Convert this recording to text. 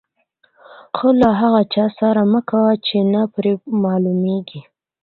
ښه له هغه چا سره مه کوئ، چي نه پر معلومېږي.